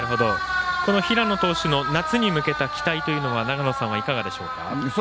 この平野投手の夏に向けた期待というのは長野さんはいかがでしょうか？